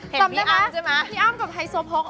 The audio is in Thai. เฮตพี่อ๊ามใช่ไหมล่ะพี่อ๊ามกับไทยโซโภค